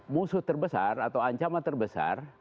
musuh terbesar atau ancaman terbesar